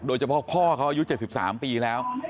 โดยเฉพาะพ่อเขาอายุ๗๓ปีแล้ว